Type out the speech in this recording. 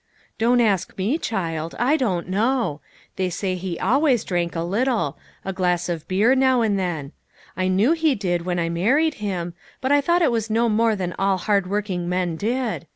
" Don't ask me, child ; I don't know. They say he always drank a little; a glass of beer now and then. I knew he did when I married him, but I thought it was no more than all hard working men did.